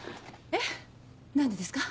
えっ？何でですか？